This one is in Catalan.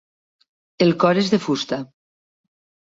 El cor és de fusta.